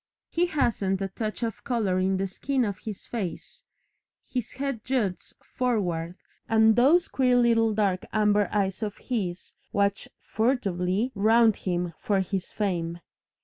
He hasn't a touch of colour in the skin of his face, his head juts forward, and those queer little dark amber eyes of his watch furtively round him for his fame.